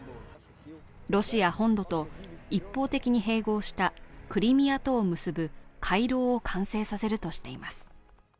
ロシア本土と一方的に併合したクリミアとを結ぶ回廊を完成させるとしています。